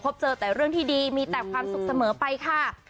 เจอแต่เรื่องที่ดีมีแต่ความสุขเสมอไปค่ะ